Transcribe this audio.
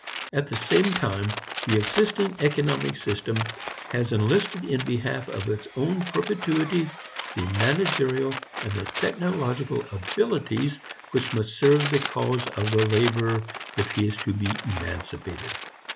At the same time, the existing economic system has enlisted in behalf of its own perpetuity the managerial and the technological abilities which must serve the cause of the laborer if he is to be emancipated.